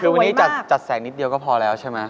คือวันนี้จัดแสงนิดเดียวก็พอแล้วใช่ไหม